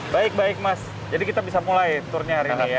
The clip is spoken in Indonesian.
baik baik mas jadi kita bisa mulai tournya hari ini ya